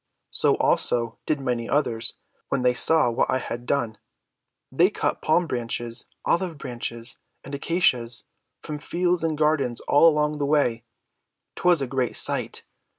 So also did many others, when they saw what I had done. They cut palm‐branches, olive‐ branches, and acacias from fields and gardens all along the way; 'twas a great sight!